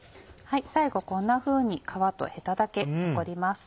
最後こんなふうに皮とヘタだけ残ります。